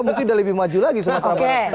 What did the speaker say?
mungkin sudah lebih maju lagi sumatera barat